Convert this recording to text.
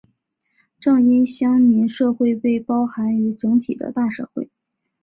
正因乡民社会被包含于整体的大社会。